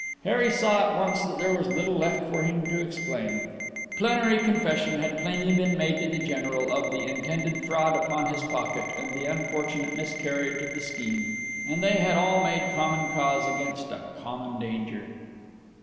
Harry saw at once that there was little left for him to explain—plenary confession had plainly been made to the General of the intended fraud upon his pocket, and the unfortunate miscarriage of the scheme; and they had all made common cause against a common danger.